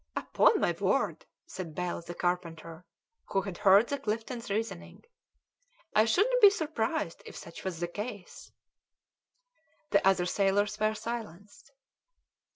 "Upon my word," said Bell, the carpenter, who had heard all Clifton's reasoning, "I shouldn't be surprised if such was the case." The other sailors were silenced.